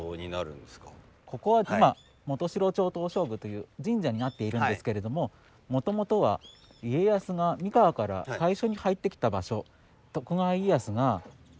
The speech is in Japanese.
ここは今元城町東照宮という神社になっているんですけれどももともとは家康が三河から最初に入ってきた場所。